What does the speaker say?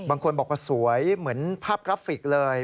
บางคนบอกว่าสวยเหมือนภาพกราฟิกเลย